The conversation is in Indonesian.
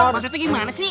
maksudnya gimana sih